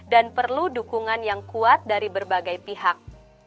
dan perlu dukungan yang kuat dari berbagai pihak